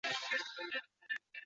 隆格雷。